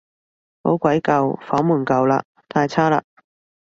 好鬼舊，房門舊嘞，太差嘞